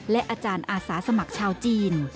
และอาจารย์อาสาสมัครชาวจีน